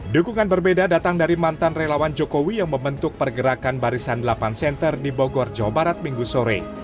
dukungan berbeda datang dari mantan relawan jokowi yang membentuk pergerakan barisan delapan center di bogor jawa barat minggu sore